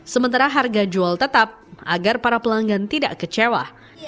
sementara harga jual tetap agar para pelanggan tidak kecewa